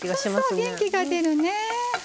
そうそう元気が出るね。